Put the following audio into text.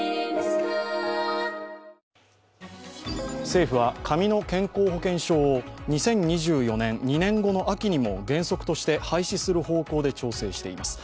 政府は紙の健康保険証を２０２４年、２年後の秋にも原則として廃止する方向で調整しています。